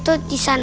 aku mau masuk